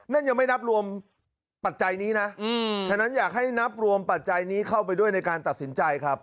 นั่นยังไม่นับรวมปัจจัยนี้นะฉะนั้นอยากให้นับรวมปัจจัยนี้เข้าไปด้วยในการตัดสินใจครับ